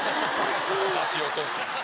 優しいお義父さん。